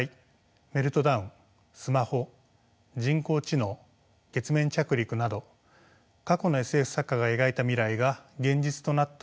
メルトダウンスマホ人工知能月面着陸など過去のＳＦ作家が描いた未来が現実となった例はいくつもあります。